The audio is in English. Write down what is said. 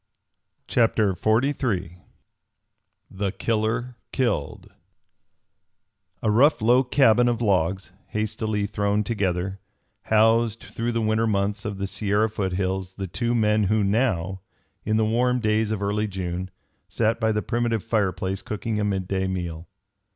CHAPTER XLIII THE KILLER KILLED A rough low cabin of logs, hastily thrown together, housed through the winter months of the Sierra foothills the two men who now, in the warm days of early June, sat by the primitive fireplace cooking a midday meal.